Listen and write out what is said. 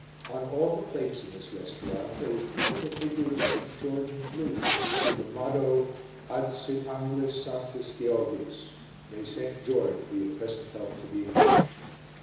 On all the plates in this restaurant there was printed a figure of St. George in blue, with the motto, Adsit Anglis Sanctus Geogius May St. George be a present help to the English.